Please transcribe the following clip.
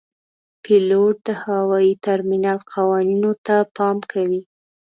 پیلوټ د هوايي ترمینل قوانینو ته پام کوي.